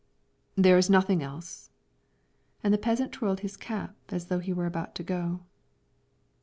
"There is nothing else;" and the peasant twirled his cap, as though he were about to go.